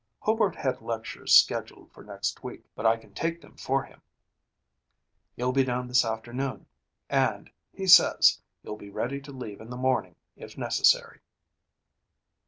"Hobart had lectures scheduled for next week, but I can take them for him. He'll be down this afternoon, and, he says, he'll be ready to leave in the morning if necessary."